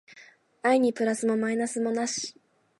愛にプラスもマイナスもなし